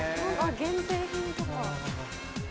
限定品とか。